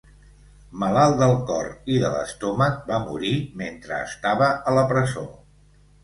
Malalt del cor i de l'estómac, va morir mentre estava a la presó.